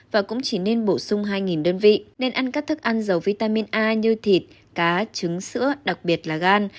và cũng chỉ nên bổ sung hai đơn vị nên ăn các thức ăn dầu vitamin a như thịt cá trứng sữa đặc biệt là gan